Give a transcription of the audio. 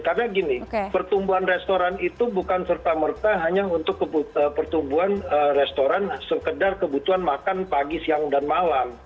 karena gini pertumbuhan restoran itu bukan serta merta hanya untuk pertumbuhan restoran sekedar kebutuhan makan pagi siang dan malam